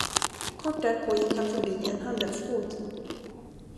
Kort därpå gick han förbi en handelsbod.